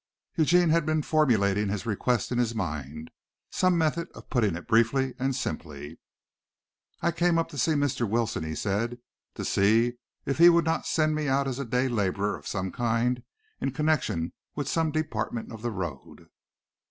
Eugene had been formulating his request in his mind some method of putting it briefly and simply. "I came up to see Mr. Wilson," he said, "to see if he would not send me out as a day laborer of some kind in connection with some department of the road.